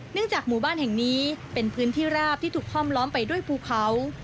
จากหมู่บ้านแห่งนี้เป็นพื้นที่ราบที่ถูกค่อมล้อมไปด้วยภูเขา